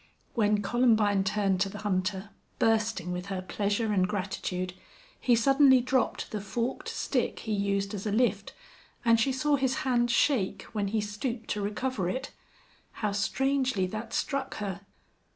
When Columbine turned to the hunter, bursting with her pleasure and gratitude, he suddenly dropped the forked stick he used as a lift, and she saw his hand shake when he stooped to recover it. How strangely that struck her!